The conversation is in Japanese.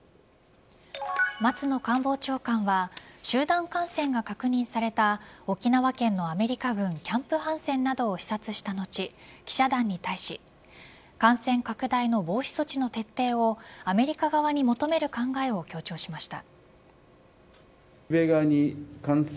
松野官房長官は集団感染が確認された沖縄県のアメリカ軍キャンプ・ハンセンなどを視察した後記者団に対し感染拡大の防止措置の徹底をアメリカ側に求める考えを強調しました。